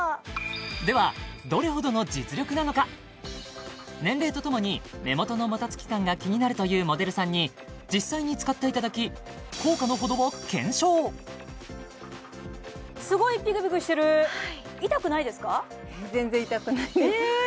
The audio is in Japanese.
ではどれほどの実力なのか年齢とともに目元のもたつき感が気になるというモデルさんに実際に使っていただき効果のほどを検証すごいピクピクしてる痛くないですか？